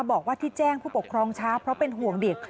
บอกว่าที่แจ้งผู้ปกครองช้าเพราะเป็นห่วงเด็ก